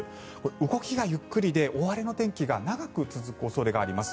動きがゆっくりで大荒れの天気が長く続く恐れがあります。